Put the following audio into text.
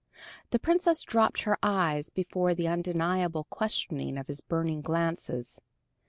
The Princess dropped her eyes before the undeniable questioning of his burning glances.